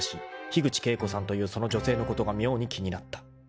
［樋口景子さんというその女性のことが妙に気になった］